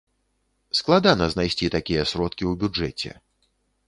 Складана знайсці такія сродкі ў бюджэце.